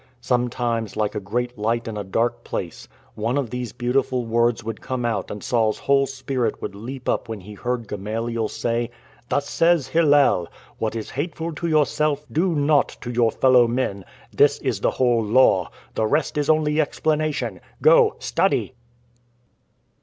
Sometimes, like a great light in a dark place, one of these beautiful words would come out and Saul's whole spirit would leap up when he heard Gamaliel say :" Thus said Hillel :' What is hateful to yourself do not to your fellow men — this is the whole Law — the rest is only explanation. Go, study